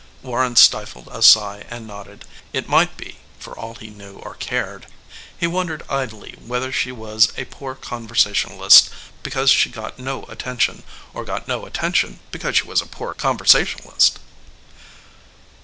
Warren stifled a sigh and nodded. It might be for all he knew or cared. He wondered idly whether she was a poor conversationalist because she got no attention or got no attention because she was a poor conversationalist.